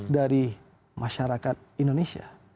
dari masyarakat indonesia